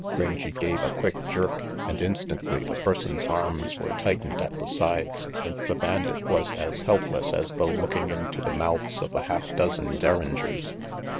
Rangy gave a quick jerk and instantly the person's arms were tightened at the sides and the bandit was as helpless as though looking into the mouths of a half dozen derringers.